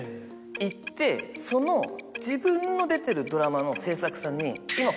行ってその自分の出てるドラマの制作さんに。